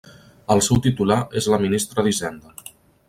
El seu titular és la ministra d'Hisenda.